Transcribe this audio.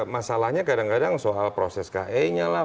masalahnya kadang kadang soal proses ke nya lah